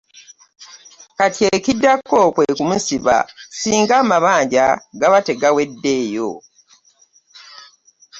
Kati ekiddako kwe kumusiba singa amabanja gaba tegaweddeeyo.